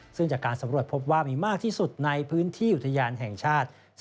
ซึ่งจากการสำรวจพบว่ามีมากที่สุดในพื้นที่อุทยานแห่งชาติ